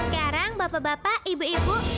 sekarang bapak bapak ibu ibu